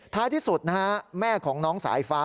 ท้ายที่สุดนะฮะแม่ของน้องสายฟ้า